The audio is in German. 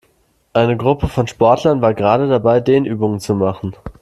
Eine Gruppe von Sportlern war gerade dabei, Dehnübungen zu machen.